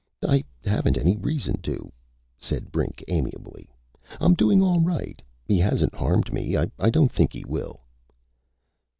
"I haven't any reason to," said Brink amiably. "I'm doing all right. He hasn't harmed me. I don't think he will."